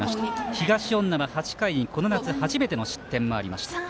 東恩納は８回にこの夏、初めての失点もありました。